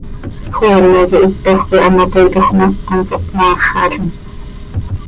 Joeene quih hitoj coi ano toiitoj ma, hanso hpmoaaxalim.